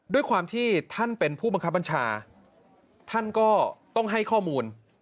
ด้วยความที่ท่านเป็นผู้บังคับบัญชาท่านก็ต้องให้ข้อมูล